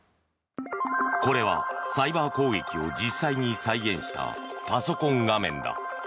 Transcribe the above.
これはサイバー攻撃を実際に再現したパソコン画面だ。